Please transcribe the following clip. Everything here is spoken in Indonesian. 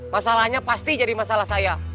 masalahnya pasti jadi masalah saya